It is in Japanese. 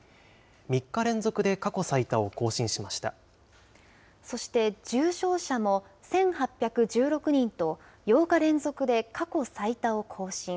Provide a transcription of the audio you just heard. ３日連続で過去最多を更新しましそして、重症者も１８１６人と、８日連続で過去最多を更新。